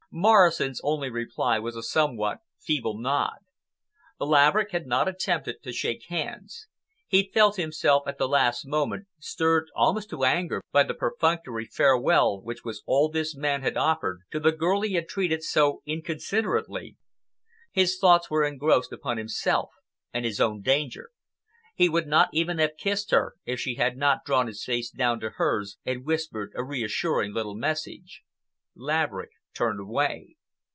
Morrison's only reply was a somewhat feeble nod. Laverick had not attempted to shake hands. He felt himself at the last moment, stirred almost to anger by the perfunctory farewell which was all this man had offered to the girl he had treated so inconsiderately. His thoughts were engrossed upon himself and his own danger. He would not even have kissed her if she had not drawn his face down to hers and whispered a reassuring little message. Laverick turned away.